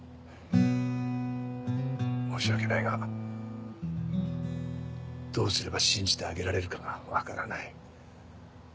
申し訳ないがどうすれば信じてあげられるかが分からない。